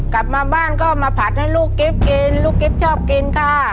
กลับมาบ้านก็มาผัดให้ลูกกิ๊บกินลูกกิ๊บชอบกินค่ะ